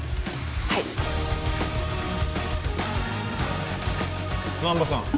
はい難波さん